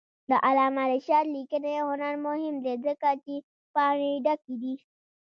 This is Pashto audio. د علامه رشاد لیکنی هنر مهم دی ځکه چې پاڼې ډکې دي.